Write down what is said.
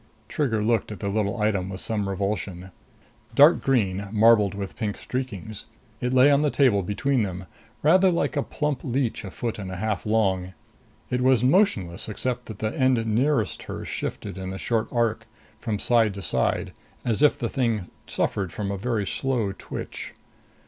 Trigger looked at the little item with some revulsion. Dark green, marbled with pink streakings, it lay on the table between them, rather like a plump leech a foot and a half long. It was motionless except that the end nearest her shifted in a short arc from side to side, as if the thing suffered from a very slow twitch.